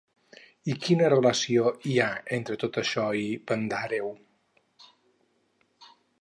I quina relació hi ha entre tot això i Pandàreu?